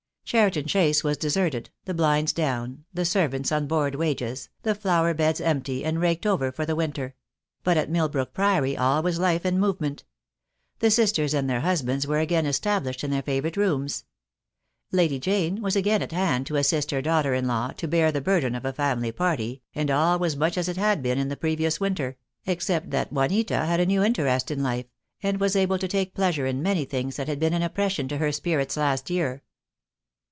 Cheriton Chase was deserted, the blinds down, the servants on board wages, the flower beds empty and raked over for the winter; but at Milbrook Priory all was life and movement. The sisters and their husbands were again established in their favourite rooms. Lady Jane was again at hand to assist her daughter in law to bear the burden of a family party, and all was much as it had been in the previous winter, except that Juanita had a new interest in life, and was able to take pleasure in many things that had been an oppression to her spirits last year.